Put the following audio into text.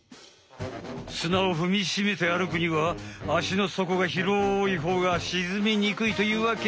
すなをふみしめてあるくには足のそこがひろいほうがしずみにくいというわけ。